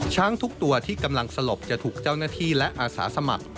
ช้างทุกตัวที่กำลังสลบจะถูกเจ้าหน้าที่และอาสาสมัคร